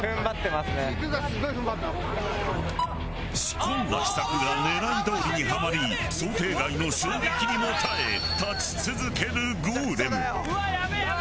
仕込んだ秘策が狙いどおりにハマり想定外の衝撃にも耐え立ち続けるゴーレム。